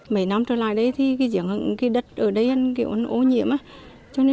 mấy năm trở lại đấy thì cái diễn hợp